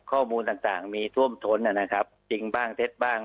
ข้อมูลต่างมีท่วมท้นนะครับจริงบ้างเท็จบ้าง